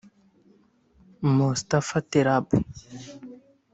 Mostafa Terrab